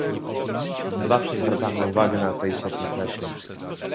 Zawsze zwracamy uwagę na te istotne kwestie